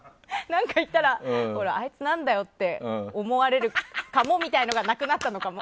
何か言ったらあいつ、何だよって思われるかもみたいなのがなくなったのかも。